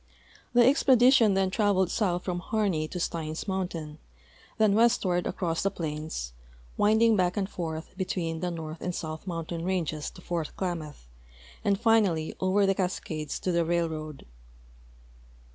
The expedi tion then traveled south from Harney to Steins mountain, then westward across the plains, winding back and forth between the north and south mountain ranges to Fort Klamath, and finally over the Cascades to the railroad.